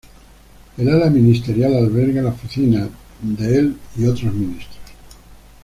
El ala ministerial alberga la oficina del y otros ministros.